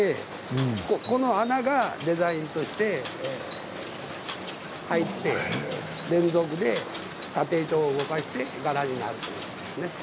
この穴がデザインとして入って連続でたて糸を動かして柄になるということです。